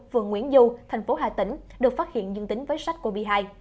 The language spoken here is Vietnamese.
vườn nguyễn du thành phố hà tĩnh được phát hiện dân tính với sách covid một mươi chín